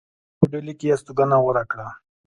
په ډهلي کې یې هستوګنه غوره کړه.